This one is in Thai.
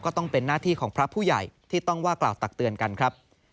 ก็ต้องเป็นหน้าที่ของพระผู้ใหญ่ที่ต้องว่ากล่าวตักเตือนกันครับ